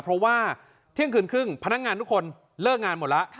เพราะว่าเที่ยงคืนครึ่งพนักงานทุกคนเลิกงานหมดแล้ว